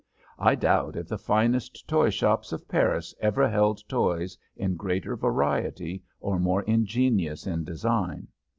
I doubt if the finest toy shops of Paris ever held toys in greater variety or more ingenious in design.